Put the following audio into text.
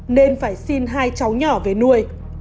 nên phải xin hai cháu nhỏ về nuôi